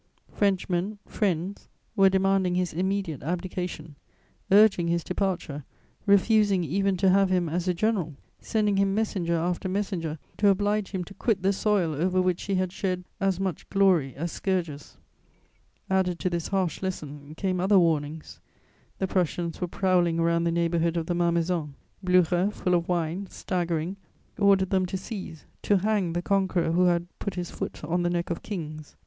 Frenchmen, friends, were demanding his immediate abdication, urging his departure, refusing even to have him as a general, sending him messenger after messenger, to oblige him to quit the soil over which he had shed as much glory as scourges. Added to this harsh lesson, came other warnings: the Prussians were prowling around the neighbourhood of the Malmaison; Blücher, full of wine, staggering, ordered them to seize, to "hang" the conqueror who had "put his foot on the neck of Kings."